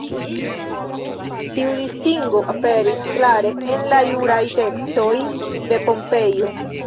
Tiu distingo aperis klare en la juraj tekstoj de Pompejo.